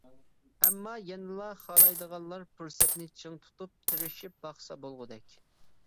ئەمما يەنىلا خالايدىغانلار پۇرسەتنى چىڭ تۇتۇپ تېرىشىپ باقسا بولغۇدەك!